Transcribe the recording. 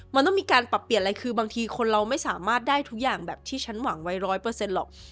มันก็จะมีการปรับเปลี่ยนอะไรคือบางทีคนเราไม่สามารถได้ทุกอย่างเป็นที่ฉันหวังไว้๑๐๐หรอก